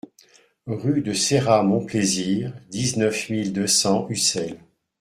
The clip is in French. Rue de Ceyrat Montplaisir, dix-neuf mille deux cents Ussel